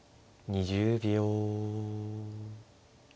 ２０秒。